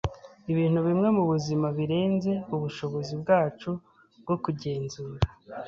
Ibintu bimwe mubuzima birenze ubushobozi bwacu bwo kugenzura.